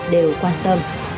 đều quan tâm